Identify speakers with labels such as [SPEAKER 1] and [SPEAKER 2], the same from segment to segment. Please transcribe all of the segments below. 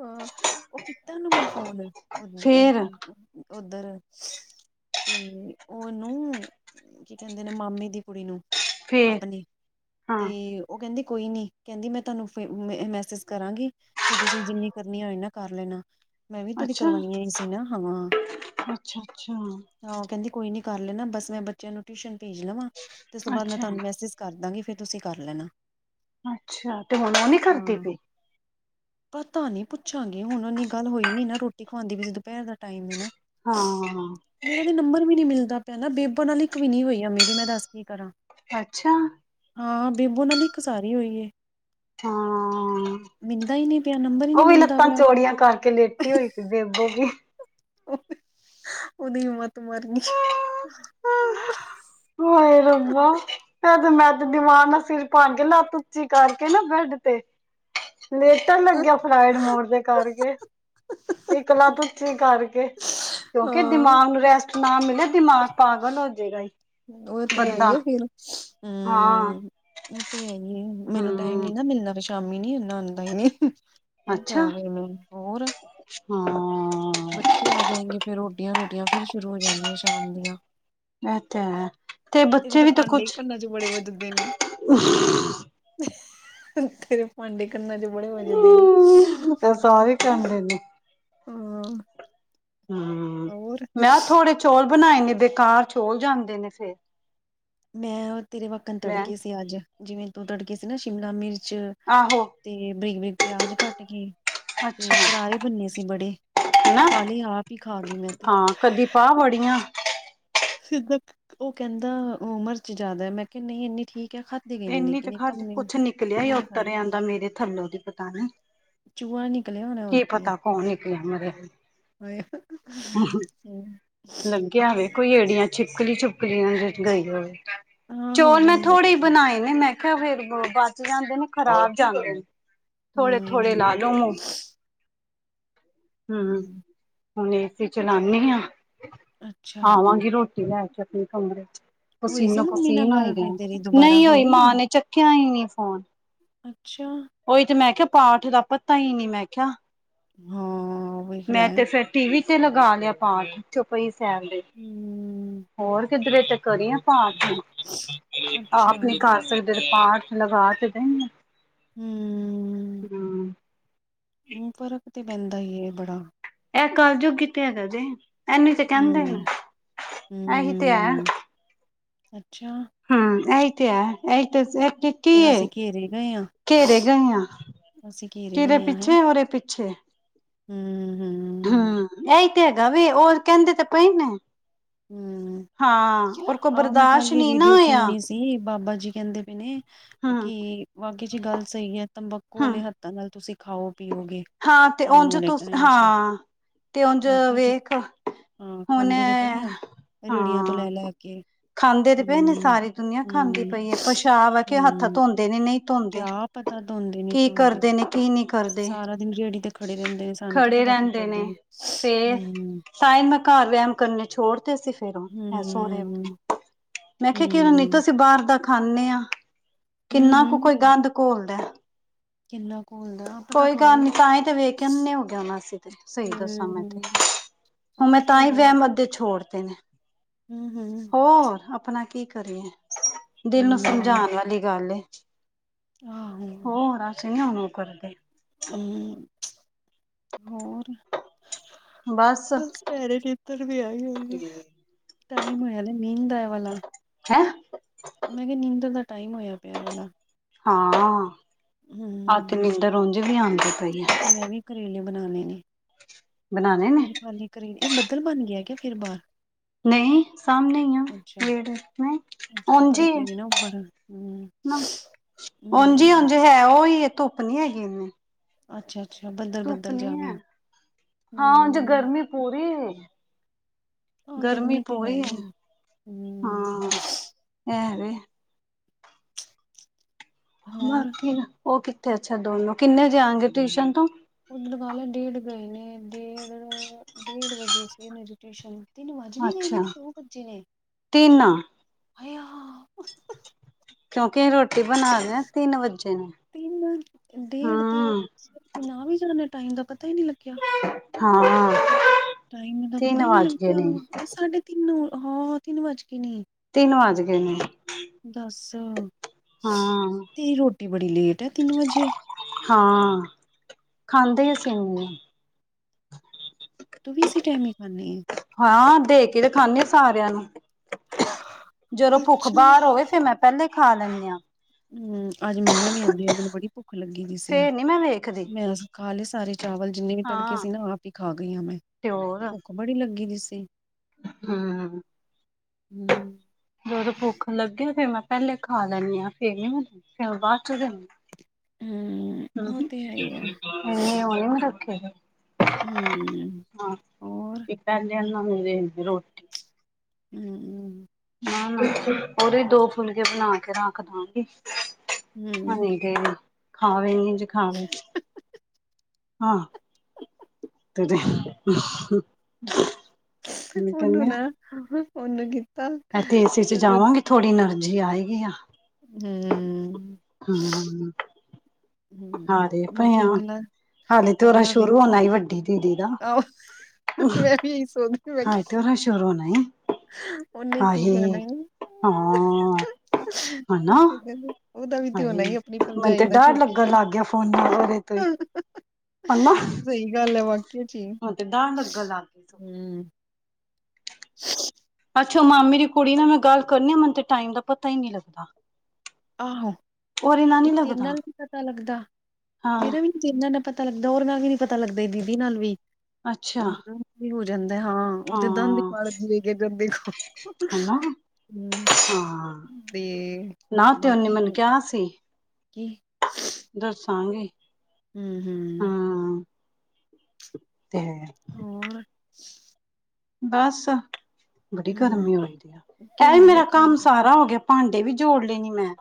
[SPEAKER 1] ਹਾਂ ਓ ਕੀਤਾ ਓਨੂੰ ਮੈਂ ਫੋਨ। ਓਧ
[SPEAKER 2] ਫੇਰ
[SPEAKER 1] ਓਧਰ ਤੇ ਓਨੂੰ ਕੀ ਕੈਂਦੇ ਨੇ ਮਾਮੇ ਦੀ ਕੁੜੀ ਨੂੰ।
[SPEAKER 2] ਫੇਰ
[SPEAKER 1] ਅਪਨੇ ਤੇ
[SPEAKER 2] ਹਾਂ
[SPEAKER 1] ਓ ਕੈਂਦੀ ਕੋਈ ਨੀ। ਕੇਂਦੀ ਮੈਂ ਤਾਨੂੰ ਫੇ ਮੈਸੇਜ ਕਰਾਂਗੀ ਫੇਰ ਤੁਸੀ ਜਿੰਨੀ ਕਰਨੀ ਹੋਏ ਨਾ ਕਰ ਲੈਨਾ। ਮੈਂ ਵੀ ਤੇ ਓਦੀ
[SPEAKER 2] ਅੱਛਾ
[SPEAKER 1] ਕਰਵਾਨੀਓ ਈ ਸੀ ਨਾ ਹਾਂ।
[SPEAKER 2] ਅੱਛਾ ਅੱਛਾ
[SPEAKER 1] ਹਾਂ ਓ ਕੇਂਦੀ ਕੋਈ ਨੀ ਕਰ ਲੈਨਾ ਬਸ ਮੈਂ ਬੱਚੇਆਂ ਨੂੰ ਟਿਊਸ਼ਨ ਭੇਜ ਲਵਾਂ ਤੇ ਉਸ ਤੋਂ ਬਾਦ ਮੈਂ
[SPEAKER 2] ਅੱਛਾ
[SPEAKER 1] ਤਾਨੂੰ ਮੈਸੇਜ ਕਰਦਾਂਗੀ ਫੇਰ ਤੁਸੀ ਕਰ ਲੈਨਾ।
[SPEAKER 2] ਅੱਛਾ, ਤੇ ਹੁਣ ਓ ਨੀ ਕਰਦੀ
[SPEAKER 1] ਹਾਂ
[SPEAKER 2] ਪੀ?
[SPEAKER 1] ਪਤਾ ਨੀ ਪੁੱਛਾਂਗੀ, ਹੁਣ ਓਨੀ ਗੱਲ ਹੋਈ ਨੀ ਨਾ ਰੋਟੀ ਖਵਾਂਦੀ ਪੀ ਸੀ। ਦਪੈਰ ਦਾ ਟਾਈਮ ਏ ਨਾ।
[SPEAKER 2] ਹਾਂ ਹਾ
[SPEAKER 1] ਮੇਰਾ ਤੇ ਨੰਬਰ ਵੀ ਨੀ ਮਿਲਦਾ ਪੈਆ ਨਾ ਬੇਬੋ ਨਾਲ ਇਕ ਵੀ ਨੀ ਹੋਈ ਆ ਮੇਰੀ ਮੈਂ ਦੱਸ ਕੀ ਕਰਾਂ।
[SPEAKER 2] ਅੱਛਾ।
[SPEAKER 1] ਹਾਂ, ਬੇਬੋ ਨਾਲ ਇਕ ਸਾਰੀ ਹੋਈ ਏ। ਮਿਲਦਾ ਈ ਨੀ
[SPEAKER 2] ਓਵੀ ਲੱਤਾਂ ਚੌੜੀਆਂ ਕਰਕੇ ਲੇਟੀ ਹੋਈ ਸੀ ਬੇਬੋ ਵੀ।
[SPEAKER 1] ਓਦੀ ਵੀ ਮੱਤ ਮਰਗੀ
[SPEAKER 2] ਹਾਏ ਰਬਾ ਐ ਤੇ ਮੈ ਦਿਵਾਰ ਨਾਲ ਸਿਰ ਭਰ ਕੇ ਲੱਤ ਉੱਚੀ ਕਰਕੇ ਨਾ ਬੈੱਡ ਤੇ ਲੇਟਨ ਲੱਗੇਆ ਫਰਾਈਡ ਮੋਡ ਤੇ ਕਰਕੇ, ਇਕ ਲਤ ਉ ਕਰਕੇ। ਕਿਉਂਕਿ
[SPEAKER 1] ਹਾਂ
[SPEAKER 2] ਦਿਮਾਗ ਨੂੰ ਰੈਸਟ ਨਾ ਮਿਲੇ ਦਿਮਾਗ ਪਾਗਲ ਹੋਜੇਗਾ ਈ।
[SPEAKER 1] ਓ ਤੇ ਹੈਈ ਏ ਫਿਰ।
[SPEAKER 2] ਹਾਂ
[SPEAKER 1] ਹੂੰ, ਓ ਤੇ ਹੈਈ ਏ। ਮੈਨੂੰ ਟਾਈਮ
[SPEAKER 2] ਹਮ
[SPEAKER 1] ਨੀ ਨਾ ਮਿਲਨਾ ਫੇ ਸ਼ਾਮੀ ਨੀ ਇਨਾ ਹੁੰਦਾ ਦਾ ਈ ਨੀ
[SPEAKER 2] ਅੱਛਾ
[SPEAKER 1] ਕਰਾਂ ਫਿਰ ਮੈਂ ਹੋਰ
[SPEAKER 2] ਹਾਂ
[SPEAKER 1] ਬੱਚੇ ਆ ਜਾਏਂਗੇ ਫੇਰ ਰੋਟੀਆਂ ਰੋਟੀਆਂ ਫਿਰ ਸ਼ੁਰੂ ਹੋ ਜਾਣੀਆਂ ਸ਼ਾਮ ਦੀਆਂ।
[SPEAKER 2] ਇਹ ਤੇ ਹੈ ਤੇ
[SPEAKER 1] ਤੇਰੇ
[SPEAKER 2] ਬੱਚੇ
[SPEAKER 1] ਤਾਂ
[SPEAKER 2] ਵੀ
[SPEAKER 1] ਪਾਂਡੇ ਈ
[SPEAKER 2] ਕੁਛ
[SPEAKER 1] ਕੰਨਾਂ ਚ ਬੜੇ ਵਜਦੇ ਨੀ। ਤੇਰੇ ਭਾਂਡੇ ਕੰਨਾਂ ਚ ਬੜੇ ਵਜਦੇ ਦੇ ਨੇ
[SPEAKER 2] ਸਾਰੇ
[SPEAKER 1] ਹ
[SPEAKER 2] ਕਰਦੇ ਨੇ
[SPEAKER 1] ਹਾਂ।
[SPEAKER 2] ਹਾਂ,
[SPEAKER 1] ਹੋਰ
[SPEAKER 2] ਮੈਂ ਥੋੜੇ ਚੋਲ ਬਨਾਏ ਨੇ ਬੇਕਾਰ ਚੋਲ ਜਾਂਦੇ ਨੇ ਫੇਰ।
[SPEAKER 1] ਮੈਂ ਓ ਤੇਰੇ ਵਕਣ
[SPEAKER 2] ਮੈਂ
[SPEAKER 1] ਤੜਕੇ ਸੀ ਅੱਜ, ਜਿਵੇਂ ਤੂੰ ਤੜਕੇ ਸੀ ਨਾ ਸ਼ਿਮਲਾ ਮਿਰਚ
[SPEAKER 2] ਆਹੋ।
[SPEAKER 1] ਤੇ ਬਰੀਕ ਬਰੀਕ ਪੇਆਜ ਕਟ ਕੇ। ਤੇ
[SPEAKER 2] ਅੱਛਾ
[SPEAKER 1] ਕਰਾਰੇ ਬੰਨੇ ਸੀ ਬੜੇ। ਖਾ ਲੇ ਆਪ ਈ ਖਾਗੀ ਮੈਂ ਤੇ।
[SPEAKER 2] ਹਾ ਕਦੀ ਪਾ ਵੜੀਆ-
[SPEAKER 1] ਸਿੱਦਤ, ਓ ਕੇਂਦਾ ਉਮਰ ਚ ਜ਼ਾਦਾ ਮੈਂ ਕੇਆ ਨਈ ਏਨੀ ਠੀਕ ਹੈ ਗਏ ਨੇ
[SPEAKER 2] ਏਨੀ ਚ
[SPEAKER 1] ਲੇਕਿਨ ਇੱਕ
[SPEAKER 2] ਖਦ
[SPEAKER 1] ਨੇ
[SPEAKER 2] ਕੁੱਛ ਨਿਕਲਿਆ ਈ
[SPEAKER 1] ਇੰਨੇ ਕ
[SPEAKER 2] ਉੱਤਰ ਜਾਂਦਾ ਮੇਰੇ ਥੱਲੋਂ ਦੀ ਪਤਾ ਨਈ
[SPEAKER 1] ਚੂਹਾ ਨਿਕਲਿਆ ਹੁਣਾ ਹੋਰ ਕੀ ਆ
[SPEAKER 2] ਹਮ-
[SPEAKER 1] ਹੋ ਹਮ-
[SPEAKER 2] ਕਿ ਹਾਵੇ ਕੋਈ ਏੜੀਆਂ ਛਿਪਕਲੀ -ਛੁਪਕਲੀਆਂ ਵਂਗੁ ਗਈ ਹੋਵੇ,
[SPEAKER 1] ਹਾਂ ਹੋ
[SPEAKER 2] ਚੌਲ ਮੈਂ
[SPEAKER 1] ਜਾਂਦਾ
[SPEAKER 2] ਥੋੜ੍ਹੇ ਈ
[SPEAKER 1] ਹੂੰ
[SPEAKER 2] ਬਣਾਏ- ਮੈਂ ਕੇਆ ਫੇਰ ਬ ਬੱਚ ਜਾਂਦੇ ਨੇ ਖ਼ਰਾਬ ਜਾਂਦੇ ਨੇ, ਥੋੜੇ -ਥੋੜੇ ਲਾ ਲਓ ਮੂੰ- ਹੂ
[SPEAKER 1] ਹੂੰ,
[SPEAKER 2] ਹੁਣ ਏਸੀ ਚਲਾਨੇ ਆ,
[SPEAKER 1] ਅੱਛਾ
[SPEAKER 2] ਖਾਵਾਂਗੀ ਰੋਟੀ ਰੋਟੀ ਲੈ ਕੇ ਆਪਣੇ ਕਮਰੇ ਚ,
[SPEAKER 1] ਹੋਈ ਸੀ
[SPEAKER 2] ਪਸੀਨੋ
[SPEAKER 1] ਮੰਮੀ ਨਾਲ
[SPEAKER 2] -ਪਸੀਨ ਹੋਈ
[SPEAKER 1] ਗੱਲ ਫਿਰ
[SPEAKER 2] ਗਿਆ
[SPEAKER 1] ਤੇਰੀ
[SPEAKER 2] ਪੁੱਤ
[SPEAKER 1] ਦੁਬਾਰਾ
[SPEAKER 2] ਨਹੀਂ ਹੋਈ
[SPEAKER 1] ਆ
[SPEAKER 2] ਮਾਂ
[SPEAKER 1] ਮੰਮੀ
[SPEAKER 2] ਨ ਚ- ਕਿਆ ਈ ਨਈ ਫੋਨ-
[SPEAKER 1] ਅੱਛਾ-
[SPEAKER 2] ਓ ਤੇ ਮੈਂ ਕੇਆ ਪਾਠ ਦਾ ਪਤਾ ਈ ਨਈ ਮੈਂ ਕੇਆ।
[SPEAKER 1] ਹਾਂ ਵੇਖ ਲੈ
[SPEAKER 2] ਮੈਂ ਤੇ ਫਿਰ ਟੀ ਵੀ ਤੇ ਲਗਾ ਲਿਆ ਪਾਠ, ਚੁਪਈ ਸਾਹਿਬ ਦੇ-
[SPEAKER 1] ਹਮ-
[SPEAKER 2] ਹੋਰ ਕਿੱਧਰੇ ਤੇ ਕਰੀਆ ਪਾਰਟੀਆਂ
[SPEAKER 1] ਅੱਛਾ
[SPEAKER 2] ਆਪਣੇ ਘਾਰ - ਕਿਧਰੇ ਪਾਠ ਲਗਾ ਕੇ ਦੇ ਮੈੰਨੂ, ਹਾ
[SPEAKER 1] ਹੁ ਫਰਕ ਤੇ ਪੈਂਦਾ ਈ ਏ ਬੜਾ।
[SPEAKER 2] ਏ ਕਾਲਜੁਗੀ ਹੀ ਤੇ ਹੈਗਾ ਜੇ, ਏਨੂੰ ਤੇ ਕੇਂਦੇ
[SPEAKER 1] ਹੂੰ
[SPEAKER 2] ਨੇ ਏਹੀ ਤੇ ਹੈ-
[SPEAKER 1] ਹੂੰ ਅੱਛਾ-
[SPEAKER 2] ਹਾ ਓ ਈ ਤੇ ਹੈ-ਓ ਤੇ
[SPEAKER 1] ਫੇਰ
[SPEAKER 2] ਕੀਏ,
[SPEAKER 1] ਅਸੀਂ ਘੇਰੇ ਗਏ ਹਾਂ
[SPEAKER 2] ਘੇਰੇ ਗਏ ਆਂ
[SPEAKER 1] ਅਸੀਂ ਘੇਰੇ
[SPEAKER 2] ਕਿਰੇ ਪਿੱਛੇ ਉਰੇ ਪਿੱਛੇ-
[SPEAKER 1] ਹੂ ਹੂ
[SPEAKER 2] ਹੂ, ਓ ਈ ਤੇ ਹੈਗਾ ਵਾ ਓ ਕੇਂਦੇ ਤੇ ਪਏ ਨੇ-
[SPEAKER 1] ਹੂ,
[SPEAKER 2] ਹਾਂ ਔਰ ਕੋ
[SPEAKER 1] ਆਹੋ ਮੈਂ ਕੱਲ
[SPEAKER 2] ਬਰਦਾਸ਼ਤ
[SPEAKER 1] ਵੀ
[SPEAKER 2] ਨੀ ਨਾ
[SPEAKER 1] ਵੀਡੀਓ
[SPEAKER 2] ਹੋਇਆ
[SPEAKER 1] ਸੁਣਨੀ ਸੀ ਬਾਬਾ ਜੀ ਕੇਂਦੇ- ਕੇਂਦੇ ਨੇ,
[SPEAKER 2] ਹੂੰ
[SPEAKER 1] ਕੀ ਬਾਕੀ ਜੀ ਗੱਲ ਸਈ ਐ ਤੰਬਾਕੂ ਵਾਲੇ
[SPEAKER 2] ਹੂੰ
[SPEAKER 1] ਹੱਥ ਹੱਥਾ ਨਾਲ ਤੁਸੀਂ ਖਾਓ ਪੀਓਗੇ-
[SPEAKER 2] ਹਾਂ ਤੇ
[SPEAKER 1] ਆਉਣ
[SPEAKER 2] ਉਂਝ
[SPEAKER 1] ਵਾਲੇ
[SPEAKER 2] ਤੁਸ
[SPEAKER 1] ਟਾਈਮ ਚ
[SPEAKER 2] ਹਾਂ ਤੇ ਉਂਝ
[SPEAKER 1] ਵਾਕਿਆ ਚ
[SPEAKER 2] ਵੇਖ ਹੁਣ
[SPEAKER 1] ਰੇੜੀਆਂ ਤੋਂ
[SPEAKER 2] ਹਾਂ
[SPEAKER 1] ਲੈ- ਲੈ ਕੇ
[SPEAKER 2] ਖਾਂਦੇ ਤੇ ਪਏ ਨੇ
[SPEAKER 1] ਹੂੰ
[SPEAKER 2] ਸਾਰੀ ਦੁਨੀਆਂ ਖਾਂਦੀ
[SPEAKER 1] ਹੂੰ
[SPEAKER 2] ਪਈ ਐ, ਪੈਸ਼ਾਬ ਹੈ ਕਿ ਹੱਥ
[SPEAKER 1] ਹੂੰ
[SPEAKER 2] ਧੋਂਦੇ ਨੇ ਨਹੀਂ ਧੋਂਦੇ-
[SPEAKER 1] ਕਿਆ ਪਤਾ ਧੋਂਦੇ ਕੇ ਨੀ ਧੋਂਦੇ-
[SPEAKER 2] ਕੀ ਕਰਦੇ ਨੇ ਕੀ ਨਈ-
[SPEAKER 1] ਸਾਰਾ ਦਿਨ ਰੇੜੀ ਤੇ ਖੜੇ ਰੇਂਦੇ ਨੇ ਸਾਨੂੰ ਕੀ
[SPEAKER 2] ਖੜੇ
[SPEAKER 1] ਪਤਾ ਕੀ ਕਰਦੇ ਨੇ ਹੂ
[SPEAKER 2] ਤਾ ਈ ਮੈਂ ਘਾਰ ਵੈਮ ਕਰਨੇ ਛੋੜਤੇ ਸੀ। ਫੇਰ ਹੁਣ
[SPEAKER 1] ਹੂੰ
[SPEAKER 2] ਐ ਸੋ ਰਏ
[SPEAKER 1] ਹੂੰ
[SPEAKER 2] ਔ, ਮੈਂ ਕੇਆ ਕਿ ਨਈ ਤਾ ਅਸੀਂ ਬਾਰ ਦਾ ਖਾਂਨੇ ਆ,
[SPEAKER 1] ਹੂੰ
[SPEAKER 2] ਕਿੰਨਾ ਕੁ
[SPEAKER 1] ਹੂੰ
[SPEAKER 2] ਕੋਈ ਗੰਦ ਘੋਲਦਾ-
[SPEAKER 1] ਕਿੰਨਾ ਘੋਲਦਾ- ਪਤਾ
[SPEAKER 2] ਕੋਈ
[SPEAKER 1] ਥੋੜਾ
[SPEAKER 2] ਗੱਲ ਨੀ
[SPEAKER 1] ਨਾ
[SPEAKER 2] ਤਾਂ ਹੀ ਤੇ ਵੇਖ ਹੇ ਹੋਗੇ ਹ ਅਸੀਂ ਤੇ ਸਹੀ ਦੱਸਾਂ ਮੈਂ ਤੇ-
[SPEAKER 1] ਹੂੰ
[SPEAKER 2] ਹੁਨ ਮੈਂ
[SPEAKER 1] ਆਹ
[SPEAKER 2] ਤਾਂ
[SPEAKER 1] ਸਹੀ
[SPEAKER 2] ਈ
[SPEAKER 1] ਆ
[SPEAKER 2] ਵੈਮ ਅੱਧੇ ਛੋੜਤੇ ਨੇ।
[SPEAKER 1] ਹੂੰ- ਹੂੰ
[SPEAKER 2] ਹੋਰ ਆਪਣਾ ਕੀ ਕਰੀਏ, ਦਿਲ ਨੂੰ
[SPEAKER 1] ਹੂੰ
[SPEAKER 2] ਸਮਝਾਣ ਵਾਲੀ ਗੱਲ ਏ।
[SPEAKER 1] ਆਹੋ
[SPEAKER 2] ਹੋਰ ਅਸੀ ਨੀ ਐਵੇ ਕਰਦੇ।
[SPEAKER 1] ਹੂੰ ਹੋਰ ਬਸ ਭੈੜੀ ਨੀਂਦਰ ਵੀ ਆਈ ਹੋਈ ਐ। ਟੈਮ ਆਇਆ ਦਾ ਨੀਂਦ ਐ ਵਾਲਾ
[SPEAKER 2] ਹੈਂ
[SPEAKER 1] ਮੈਂ ਕਿਆ ਨੀਂਦਰ ਦਾ ਟਾਈਮ ਹੋਇਆ ਪਿਆ ਐ ਵਲਾ
[SPEAKER 2] ਹਾਂ ਅ ਤਾਂ ਨੀਂਦਰ ਉਂਝ ਵੀ ਆਂਦੀ
[SPEAKER 1] ਵਾਸਤੇ ਮੈਂ ਵੀ ਕਰੇਲੇ ਬਣਾਉਣੇ ਨੇ
[SPEAKER 2] ਬਣਾਣੇ
[SPEAKER 1] ਮੈਂ
[SPEAKER 2] ਨੇ
[SPEAKER 1] ਤੇ ਖਾਲੀ ਕਰੇ ਏ ਬੱਦਲ ਬਣ ਗਿਆ ਕੇ ਫਿਰ ਬਾਰ
[SPEAKER 2] ਨਹੀਂ ਸਾਹਮਣੇ ਹੀ ਆ
[SPEAKER 1] ਅੱਛਾ
[SPEAKER 2] ਗੇਟ ਨਹੀਂ ਉੰਝ ਹੀ
[SPEAKER 1] ਕੱਪੜੇ
[SPEAKER 2] ਹੈ
[SPEAKER 1] ਪਏ ਨੇ ਨਾ ਉਪਰ ਹੂੰ। ਹੂੰ
[SPEAKER 2] ਜੀ ਉਂਜ ਹੈ ਉਹੀ ਏ ਧੁੱਪ ਨੀ ਹੈਗੀ ਏਨੀ
[SPEAKER 1] ਅੱਛਾ-ਅੱਛਾ ਬਦ
[SPEAKER 2] ਧੁੱਪ ਨੀ ਹੈ ਹਾਂ ਜੇ
[SPEAKER 1] ਹੂੰ
[SPEAKER 2] ਗਰਮੀ ਪੂਰੀ ਏ।
[SPEAKER 1] ਹਾਂ
[SPEAKER 2] ਗਰਮੀ
[SPEAKER 1] ਤੇ ਹੈ
[SPEAKER 2] ਪੂਰੀ
[SPEAKER 1] ਹੀ
[SPEAKER 2] ਏ
[SPEAKER 1] ਹੂੰ
[SPEAKER 2] ਹਾਂ ਐ ਵੇ
[SPEAKER 1] ਹੋਰ
[SPEAKER 2] ਬਾਕੀ ਨਾ ਓ ਕਿੱਥੇ ਅੱਛਾ ਦੋਨੋ ਕਿੰਨੇ ਜੇ ਆਣਗੇ ਟਿਊਸ਼ਨ ਤੋਂ
[SPEAKER 1] ਹੁਨ ਲਗਾ ਲੈ ਡੇਢ ਗਏ ਨੇ ਡੇਢ-ਡੇਢ ਵਜੇ ਸੀ ਉਨਾ ਡੀ ਟਿਊਸ਼ਨ ਤਿੰਨ ਵੱਜ ਵੀ ਗਏ ਨੇ
[SPEAKER 2] ਅੱਛਾ
[SPEAKER 1] ਕਿ ਦੋ ਵੱਜੇ ਨੇ
[SPEAKER 2] ਤਿੰਨ
[SPEAKER 1] ਹਆ।
[SPEAKER 2] ਕਿਉਂਕਿ ਰੋਟੀ ਬਣਾ ਦੇ ਆਂ ਤਿੰਨ ਵੱਜੇ ਨੇ ਹਾਂ।
[SPEAKER 1] ਅਸੀ ਨਾ ਵੀ ਜਾਣੇ ਟਾਈਮ ਦਾ ਪਤਾ ਈ ਨਈ ਲੱਗਿਆ।
[SPEAKER 2] ਹਾਂ
[SPEAKER 1] ਟਾਈਮ ਦਾ ਪਤਾ
[SPEAKER 2] ਤਿੰਨ
[SPEAKER 1] ਈ ਨਈ
[SPEAKER 2] ਵੱਜ ਗਏ
[SPEAKER 1] ਲੱਗਿਆ
[SPEAKER 2] ਨੇ
[SPEAKER 1] ਇਸ ਸਾਢੇ ਤਿੰਨ ਹਾਂ ਤਿੰਨ ਵੱਜ ਕੇ ਨੇ।
[SPEAKER 2] ਤਿੰਨ ਵੱਜ ਗਏ ਨੇ।
[SPEAKER 1] ਦੱਸ
[SPEAKER 2] ਹਾਂ
[SPEAKER 1] ਤੇ ਰੋਟੀ ਬੜੀ ਲੇਟ ਐ ਤਿੰਨ ਵਜੇ
[SPEAKER 2] ਹਾਂ ਖਾਂਦੇ ਅਸੀ ਇਨੇ
[SPEAKER 1] ਤੂੰ ਵੀ ਈਸੀ ਟੈਮ ਈ ਖਾਂਨੀ ਏ।
[SPEAKER 2] ਹਾਂ ਦੇ ਕੇ ਤੇ ਖਾਂਨੀ ਸਾਰਿਆਂ ਨੂੰ ਜਦੋਂ ਭੁੱਖ
[SPEAKER 1] ਅੱਛਾ
[SPEAKER 2] ਬਾਰ ਹੋਵੇ। ਫੇ ਮੈਂ ਪੈਲੇ ਖਾ ਲੈਂਨੀ ਆਂ।
[SPEAKER 1] ਹੂੰ ਅੱਜ ਮੈਨਾ ਵੀ ਐਦੀ ਆਂ ਮੈਨੂੰ ਬੜੀ ਭੁੱਖ ਲੱਗੀ ਦੀ ਸਿਆ।
[SPEAKER 2] ਫੇਰ ਨੀ ਮੈਂ ਵੇਖਦੀ
[SPEAKER 1] ਮੈਂ ਖਾ ਲਏ ਸਾਰੇ ਚਾਵਲ ਜਿੰਨੇ ਵੀ ਤੜਕੇ
[SPEAKER 2] ਹਾਂ
[SPEAKER 1] ਸੀ ਨਾ ਆਪ ਹੀ ਖਾ ਗਈ ਆਂ ਮੈਂ
[SPEAKER 2] ਤੇ ਹੋਰ
[SPEAKER 1] ਭੁਖ ਬੜੀ ਲੱਗੀ ਦੀ ਸੀ।
[SPEAKER 2] ਹੂੰ
[SPEAKER 1] ਹੂੰ
[SPEAKER 2] ਜਦੋਂ ਭੁੱਖ ਲੱਗੇ ਫਿਰ ਮੈਂ ਪੈਲੇ ਖਾ ਲੈਂਨੀ ਆਂ ਫੇਰ ਨੀ ਮੈਂ ਚਿਆ ਨੂੰ ਬਾਦ 'ਚ ਦੇਂ
[SPEAKER 1] ਹੂੰ ਓ ਤੇ ਹੈ ਈ ਆ।
[SPEAKER 2] ਇਨੇ ਓ ਨੀ ਰੱਖੇ ਦੇ।
[SPEAKER 1] ਹੂੰ
[SPEAKER 2] ਹਾਂ ਕੀ ਪੈਲੇ ਇਨਾਂ ਨੂੰ ਦੇ ਰੋਟ
[SPEAKER 1] [inaudible]
[SPEAKER 2] ਹਾਂ ਮ ਉਦੇ ਦੋ ਫੁਲਕੇ ਬਣਾ ਕੇ ਰੱਖ ਦਾਂਗੀ।
[SPEAKER 1] ਹਮ
[SPEAKER 2] ਹਾਂਜੀ ਗਏ ਦੇ ਨੇ ਖਾਵੇ ਨਿਜ ਖਾਵੇ। ਹਾਂ ਤੇ-ਤੇ
[SPEAKER 1] ਉਨੂੰ ਨਾ ਫੋਨ ਕੀ
[SPEAKER 2] ਇਥੇ ਏਸੀ 'ਚ ਜਾਵਾਂਗੇ ਥੋੜ੍ਹੀ ਐਨਰਜੀ ਆਏਗੀ ਆ।
[SPEAKER 1] ਤੇ
[SPEAKER 2] ਹੂੰ।
[SPEAKER 1] ਹੂੰ
[SPEAKER 2] ਹਾਂ ਰੇ
[SPEAKER 1] ਬਾਕੀ
[SPEAKER 2] ਭਾਅ
[SPEAKER 1] ਅਗਲਾ
[SPEAKER 2] ਹਾਲੇ ਤੇ ਉਹਦਾ
[SPEAKER 1] ਅਗਲਾ
[SPEAKER 2] ਸ਼ੁਰੂ
[SPEAKER 1] ਵੇਖੋ
[SPEAKER 2] ਹੋਣਾਂ ਈ ਵੱਡੀ ਦੀਦੀ ਦਾ।
[SPEAKER 1] ਆਹੋ [unintelligible]
[SPEAKER 2] ਹਜੇ ਤੇ ਉਹਦਾ ਸੁਰੂ ਹੋਣਾਂ ਏ।
[SPEAKER 1] ਉਹਨੇ ਕੀ ਕਹਿਣਾ ਈ।
[SPEAKER 2] ਹਾਂ ਹਨਾ
[SPEAKER 1] ਓਦਾ ਵੀ ਤੇ
[SPEAKER 2] ਹਾਏ
[SPEAKER 1] ਹੋਣਾ ਈ, ਆਪਣੀਂ
[SPEAKER 2] ਮੈਨੂੰ
[SPEAKER 1] ਭਰਜਾਈ
[SPEAKER 2] ਤੇ
[SPEAKER 1] ਦਾ
[SPEAKER 2] ਡਰ
[SPEAKER 1] ਛੋਟੀ
[SPEAKER 2] ਲੱਗਣ
[SPEAKER 1] ਦਾ।
[SPEAKER 2] ਲੱਗ ਗਿਆ ਫੋਨਾ ਉਹਦੇ ਤੋਂ ਈ ਹਨਾ
[SPEAKER 1] ਸਹੀ ਗੱਲ ਏ ਵਾਕਿਆ ਜੀ,
[SPEAKER 2] ਮੈਨੂੰ ਤੇ ਡਰ ਲੱਗਣ ਲੱਗ ਗਿਆ ਸਗੋਂ
[SPEAKER 1] ਹੂੰ। [inaudible]
[SPEAKER 2] ਅੱਛਾ ਮਾਮੇ ਦੀ ਕੁੜੀ ਨਾਲ ਮੈਂ ਗੱਲ ਕਰਨੀ ਆ, ਮੈਂਨੂੰ ਤੇ ਟਾਇਮ ਦਾ ਪਤਾ ਈ ਨੀ ਲੱਗਦਾ।
[SPEAKER 1] ਆਹੋ
[SPEAKER 2] ਉਹਦੇ ਨਾਲ ਨੀ
[SPEAKER 1] ਇੱਕ ਤੇਰੇ
[SPEAKER 2] ਲੱਗਦਾ
[SPEAKER 1] ਨਾਲ ਵੀ ਨੀ ਪਤਾ ਲੱਗਦਾ,
[SPEAKER 2] ਹਾਂ
[SPEAKER 1] ਮੇਰਾ ਵੀ ਤੇਰੇ ਨਾਲ ਵੀ ਪਤਾ ਲੱਗਦਾ, ੳਨਾ ਨਾਲ ਵੀ ਨੀ ਪਤਾ ਲੱਗਦਾ ਦੀਦੀ ਨਾਲ ਵੀ।
[SPEAKER 2] ਅੱਛਾ
[SPEAKER 1] ਹੋ ਜਾਂਦਾ, ਹਾਂ। ਉਹ ਤੇ ਦੰਦ ਹੀ
[SPEAKER 2] ਹਾਂ
[SPEAKER 1] ਕੰਡਦੀ ਏ ਅੱਗੇ ਦੰਦੇ ਕੋ,
[SPEAKER 2] ਹਨਾ
[SPEAKER 1] ਹੂੰ।
[SPEAKER 2] ਹਾਂ।
[SPEAKER 1] ਤੇ।
[SPEAKER 2] ਨਾ ਤੇ ਓਨੇ
[SPEAKER 1] ਬਾਕੀ
[SPEAKER 2] ਮੈਨੂੰ ਕਿਹਾ ਸੀ।
[SPEAKER 1] ਕੀ।
[SPEAKER 2] ਦੱਸਾਂਗੀ।
[SPEAKER 1] ਹੂੰ -ਹੂੰ।
[SPEAKER 2] ਹਮ ਤੇ।
[SPEAKER 1] ਹੂੰ।
[SPEAKER 2] ਬਸ, ਬੜੀ
[SPEAKER 1] ਹੂੰ
[SPEAKER 2] ਗਰਮੀ ਹੋਈ ਦੀ ਆ, ਆਹੀ
[SPEAKER 1] ਕਹਿੰਦੀ ਆ
[SPEAKER 2] ਮੇਰਾ
[SPEAKER 1] ਕੱਲ
[SPEAKER 2] ਕੰਮ ਸਾਰਾ ਹੋ ਗਿਆ। ਭਾਂਡੇ ਵੀ ਜੋੜ ਲੇ ਨੇ ਮੈਂ,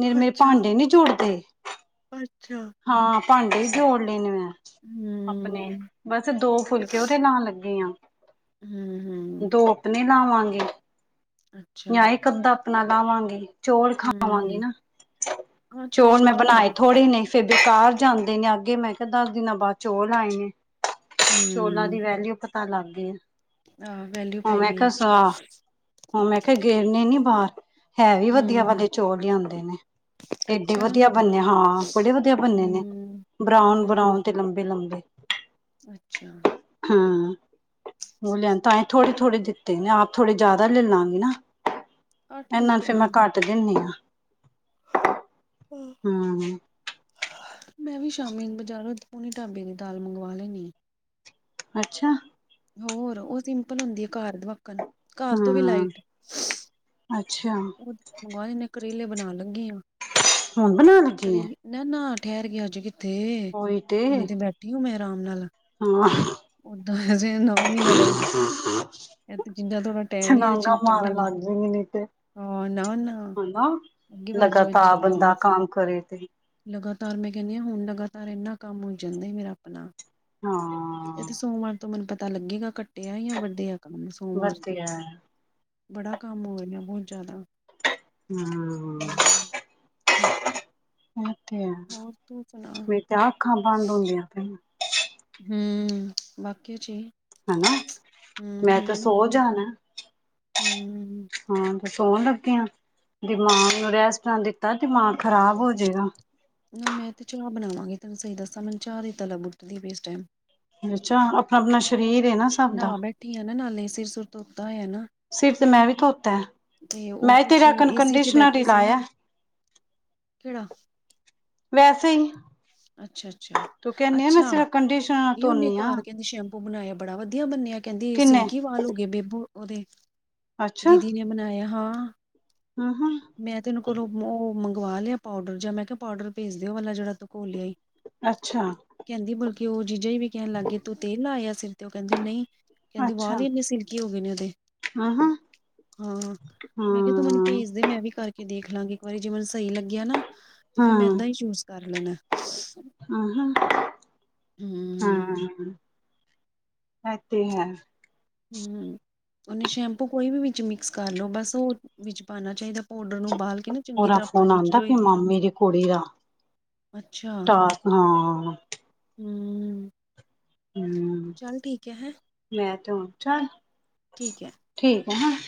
[SPEAKER 2] ਨਹੀਂ ਮੇਰੇ
[SPEAKER 1] ਅੱਛਾ
[SPEAKER 2] ਭਾਂਡੇ ਨੀ ਜੁੜਦੇ।
[SPEAKER 1] ਅੱਛਾ।
[SPEAKER 2] ਹਾਂ, ਭਾਂਡੇ ਵੀ ਜੋੜ ਲੇ ਨੇ ਮੈਂ।
[SPEAKER 1] ਹੂੰ।
[SPEAKER 2] ਆਪਣੇ, ਬਸ ਦੋ ਫੁਲਕੇ ਉਹਦੇ ਲਾਣ ਲੱਗੀ ਆ।
[SPEAKER 1] ਹੂੰ- ਹੂੰ।
[SPEAKER 2] ਦੋ ਆਪਣੇ ਲਾਵਾਂਗੇ,
[SPEAKER 1] ਅੱਛਾ
[SPEAKER 2] ਜਾਂ ਇੱਕ ਅੱਧਾ ਆਪਣਾਂ ਲਾਵਾਂਗੇ। ਚੋਲ ਖਾਵਾਂਗੇ
[SPEAKER 1] ਹੂੰ
[SPEAKER 2] ਨਾ,
[SPEAKER 1] ਹਾਂ
[SPEAKER 2] ਚੋਲ ਮੈਂ
[SPEAKER 1] ਜੋ ਹੈ
[SPEAKER 2] ਬਣਾਏ ਥੋੜੇ ਨੇ। ਫਿਰ ਬੇਕਾਰ ਜਾਂਦੇ ਨੇ, ਅੱਗੇ ਮੈਂ ਕਿਹਾ ਦਸ ਦਿਨਾਂ ਬਾਅਦ ਚੋਲ ਆਏ ਨੇ। ਚੋਲਾਂ ਦੀ
[SPEAKER 1] ਹੂੰ
[SPEAKER 2] ਵੈਲਿਊ ਪਤਾ ਲੱਗ ਗੀ ਐ।
[SPEAKER 1] ਆਹ ਵੈਲਿਊ ਪੈਗੀ ਏ।
[SPEAKER 2] ਹਾਂ ਮੈਂ ਕਿਆ ਗੇਰਨੇ ਨੀ ਬਾਹਰ। ਹੈ ਵੀ ਵਧੀਆ
[SPEAKER 1] ਹੂੰ
[SPEAKER 2] ਵਾਲੇ ਚੋਲ ਲਿਆਦੇ ਨੇ, ਏਡੇ
[SPEAKER 1] ਅੱਛਾ
[SPEAKER 2] ਵਧੀਆ ਬੰਨੇ ਹਾਂ। ਬੜੇ ਵਧੀਆ ਬੰਨੇ ਨੇ,
[SPEAKER 1] ਹੂੰ ਹੂੰ
[SPEAKER 2] ਬਰਾਉਨ-ਬਰਾਉਨ ਤੇ ਲੰਬੇ-ਲੰਬੇ।
[SPEAKER 1] ਅੱਛਾ।
[SPEAKER 2] ਹਾਂ, ਓ ਲਿਆਏ, ਤਾਂ ਈ ਥੋੜੇ-ਥੋੜੇ ਦਿ ਆਪ ਥੋੜੇ ਜਿਆਦਾ ਲੱਲਾਂਗੀ ਨਾ,
[SPEAKER 1] ਹਾਂ
[SPEAKER 2] ਇਹਨਾਂ ਨੂੰ
[SPEAKER 1] ਠੀਕ
[SPEAKER 2] ਫੇ
[SPEAKER 1] ਹੈ
[SPEAKER 2] ਮੈਂ ਘੱਟ ਦਿੰਨੀ ਆ। ਹਮ
[SPEAKER 1] [inaudible] ਮੈਂ ਵੀ ਸ਼ਾਮੀ ਬਜ਼ਾਰੋਂ ਥੋੜੀ ਢਾਬੇ ਦੀ ਦਾਲ਼ ਮੰਗਵਾ ਲੈਂਣੀ।
[SPEAKER 2] ਅੱਛਾ।
[SPEAKER 1] ਹੋਰ ਓ ਸਿੰਪਲ ਹੁੰਦੀ ਆ ਘਾਰ ਵੱਕਣ।
[SPEAKER 2] ਹੂੰ ਅੱਛਾ।
[SPEAKER 1] [unintelligible] ਮੰਗਵਾਏ ਨੇ ਕਰੇਲੇ ਬਣਾਨ ਲੱਗੀ ਆ।
[SPEAKER 2] ਹੁਣ ਬਣਾਨ ਲਗੀ ਐ
[SPEAKER 1] ਕਰੇਲੇ ਨਾ ਨਾ ਠਹਿਰ ਗਿਆ ਅੱਜ ਕਿੱਥੇ ਹੁਨ ਤੇ ਬੈਠੀ ਹੂੰ ਮੈਂ ਆਰਾਮ ਨਾਲ
[SPEAKER 2] ਹਾਂ
[SPEAKER 1] ਓਦਾਂਜੇ ਨੌ ਮਹੀਨਾ ਲਿਆਓ ਜ ਤੇ [unintelligible]
[SPEAKER 2] ਹਾਂ। [unintelligible]
[SPEAKER 1] ਇਹ ਤੇ ਜਿੰਨਾ ਤੁਹਾਡਾ ਟਾਈਮ ਹੀ ਏਦੇ ਇਹਦੇ ਚਿੰਨ ਕੱਢਾਂਗੇ। [unintelligible]
[SPEAKER 2] ਓਹੀ ਨਹੀਂ ਤੇ
[SPEAKER 1] ਹਾਂ ਨਾ ਨਾ
[SPEAKER 2] ਹਨਾ
[SPEAKER 1] ਅੱਗੇ ਵਾਜੇ ਵੱਜੇ
[SPEAKER 2] ਲਗਾਤਾਰ
[SPEAKER 1] ਪਏ ਨੇ
[SPEAKER 2] ਬੰਦਾ
[SPEAKER 1] ਮੇਰੇ
[SPEAKER 2] ਕਾਮ ਕਰੇ
[SPEAKER 1] ਲਗਾਤਾਰ ਮੈਂ ਕਹਿੰਨੀ ਆਂ ਹੁਣ ਲਗਾਤਾਰ ਇਨਾ ਕੰਮ ਹੋ ਜਾਂਦਾ ਮੇਰਾ ਆਪਣਾ
[SPEAKER 2] ਹਾਂ
[SPEAKER 1] ਇਹ ਤੇ ਸੋਮਵਾਰ ਤੋਂ ਮੈਨ ਪਤਾ ਲੱਗੇਗਾ ਘੱਟੇਆ ਯਾ ਵੱਡੇ ਆ ਕੰਮ ਸੋਮਵਾਰ
[SPEAKER 2] ਵਧੀਆ
[SPEAKER 1] ਬੜਾ ਕੰਮ ਹੋ ਰਿਹੀਆਂ [unintelligible] ਬਹੁਤ ਜ਼ਿਆਦਾ
[SPEAKER 2] ਹਮ
[SPEAKER 1] ਹੂੰ
[SPEAKER 2] ਇਹ ਤੇ ਹੈ
[SPEAKER 1] ਹੋਰ ਤੂੰ ਸੁਣਾ
[SPEAKER 2] ਮੇਰੀ ਤਾਂ ਆ ਅੱਖਾਂ ਬੰਦ ਹੁੰਦੀਆਂ ਪ
[SPEAKER 1] ਹਮ ਵਾਕੇ ਚ ਹੀ
[SPEAKER 2] ਹਨਾ
[SPEAKER 1] ਹਮ
[SPEAKER 2] ਮੈਂ ਤਾਂ
[SPEAKER 1] ਹਮ
[SPEAKER 2] ਸੋ
[SPEAKER 1] ਹਮ
[SPEAKER 2] ਜਾਣਾ
[SPEAKER 1] ਮ
[SPEAKER 2] ਹਾਂ ਤੇ ਸੋਣ ਲੱਗੇ ਆਂ ਦਿਮਾਗ ਨੂੰ ਰੈਸਟ ਨਾ ਦਿੱਤਾ ਦਿਮਾਗ ਖ਼ਰਾਬ ਹੋਜੇਗਾ
[SPEAKER 1] ਨਾ ਮੈਂ ਤੇ ਚਾਹ ਬਣਾਵਾਂਗੀ ਤਨੂੰ ਸਹੀ ਦੱਸਾਂ ਮੈਨੂੰ ਚਾਹ ਦੀ ਤਲਬ ਉੱਟਦੀ ਇਸ ਟੈਮ
[SPEAKER 2] ਅਛਾ ਅਪਣਾ ਅਪਣਾ ਸ਼ਰੀਰ ਏ ਨਾ ਸਭ ਦਾ
[SPEAKER 1] ਨਹਾ ਬੈਠੀ ਆ ਨਾ ਨਾਲੇ ਸਿਰ ਸੁਰ ਧੋਤਾ ਹੋਇਆ ਨਾ
[SPEAKER 2] ਸਿਰ ਤੇ ਮੈਂ ਵੀ ਧੋਤਾ ਐ
[SPEAKER 1] ਤੇ ਉਹ
[SPEAKER 2] ਮੈਂ
[SPEAKER 1] ਕੁਛ
[SPEAKER 2] ਤੇਰਾ ਕੰਨ
[SPEAKER 1] ਏਸੀ ਚ
[SPEAKER 2] ਕੰਡੀਸ਼ਨਰ
[SPEAKER 1] ਬੈਠੀ
[SPEAKER 2] ਈ
[SPEAKER 1] ਸੀ ਨਾ
[SPEAKER 2] ਲਾਇਆ
[SPEAKER 1] ਕਿਹੜਾ
[SPEAKER 2] ਵੈਸੇ ਈ
[SPEAKER 1] ਅੱਛਾ ਅੱਛਾ ਅੱਛਾ
[SPEAKER 2] ਕੰਡੀਸ਼ਨਰ
[SPEAKER 1] [unintelligible]
[SPEAKER 2] ਧੋਨੀ ਆ
[SPEAKER 1] ਘਾਰ ਕਹਿੰਦੇ ਸੈ਼ ਬੂ ਬਣਾਇਆ ਬੜਾ ਵਧੀਆ ਬੰਨਿਆ ਕਹਿੰਦੀ
[SPEAKER 2] ਕਿੰਨੇ
[SPEAKER 1] ਸਿਲਕੀ ਵਾਲ ਹੋ ਗਏ ਬੇਬੂ ਔਹਦੇ ਦੀਦੀ ਨੇ ਬਨਾਇਆ ਹਾਂ
[SPEAKER 2] ਅ ਹ
[SPEAKER 1] ਮੈਂ ਤੈਨੂੰ ਕੋਲੋਂ ਔਹ ਮੰਗਵਾ ਲਿਆ ਪਾਊਡਰ ਜਯਾ ਮੈਂ ਕਿਹਾ ਪਾਊਡਰ ਭੇਜ ਦੇ ਔ ਵਾਲਾ ਜਿਹੜਾ ਤੂ ਘੋਲਿਆਈ
[SPEAKER 2] ਅੱਛਾ
[SPEAKER 1] ਕਹਿੰਦੀ ਬਲਕੇ ਔਹ ਜੀਜਾਂ ਜੀ ਵੀ ਕਹਿਣ ਲੱਗ ਗੇਏ ਤੂੰ ਤੇਲ ਲਾਯਾ ਸਿਰ ਤੇ ਔਹ ਕਹਿੰਦੀ ਨਹੀਂ ਕਹਿੰਦੀ
[SPEAKER 2] ਅੱਛਾ
[SPEAKER 1] ਵਾਲ ਹੀ ਇੰਨੇ ਸਿਲਕੀ ਹੋ ਗਏ ਨੇ ਔਹਦੇ
[SPEAKER 2] ਹੂੰ ਹੂੰ
[SPEAKER 1] ਹਾਂ ਹਨ ਮੈਂ ਕਿਹਾ ਤੂੰ ਮੈਨੂੰ
[SPEAKER 2] ਹੂੰ
[SPEAKER 1] ਭੇਜ਼ [unintelligible] ਮੈਂ ਵੀ ਕਰਕੇ ਦੇਖ ਲਾਂਗੀ ਇੱਕ ਵਾਰੀ ਜੇ ਮੈਨੂੰ ਸਹੀ ਲੱਗਿਆ ਨਾ ਤੇ ਫੇਰ ਮੈਂ ਏਦਾਂ ਹੀ ਚੂਜ਼ ਕਰ ਲੈਣਾ
[SPEAKER 2] ਓ ਹੂਂ
[SPEAKER 1] ਹੂੰ
[SPEAKER 2] ਹੂੰ ਐਹ ਤੇ ਹੈ
[SPEAKER 1] ਹੂੰ ਉਹਨੇ ਸ਼ੈਂਪੂ ਕੋਈ ਵੀ ਵਿੱਚ ਮਿਕਸ ਕਰ ਲਓ ਬਸ ਓਹ ਵਿੱਚ ਪਾਣਾ ਚਾਹੀਦਾ ਪਾਊਡਰ ਨੂੰ ਬਾਲ ਕੇ ਨਾ ਚੰਗੀ
[SPEAKER 2] ਔਹਦਾ
[SPEAKER 1] ਤਰ੍ਹਾਂ
[SPEAKER 2] ਫੋਨ
[SPEAKER 1] ਪਾਣੀ ਚ
[SPEAKER 2] ਆਉਂਦਾ
[SPEAKER 1] ਲੋਏ
[SPEAKER 2] ਫੇ ਮਾਮੇ ਦੀ ਕੁੜੀ ਦਾ ਤਾ ਹਾਂ
[SPEAKER 1] ਹੂੰ
[SPEAKER 2] ਹੂੰ
[SPEAKER 1] ਚੱਲ ਠੀਕ ਐ ਹੈਂ
[SPEAKER 2] ਮੈਂ ਤਾਂ ਉਚੱ
[SPEAKER 1] ਠੀਕ ਐ
[SPEAKER 2] ਠੀਕ ਹੈ ਹ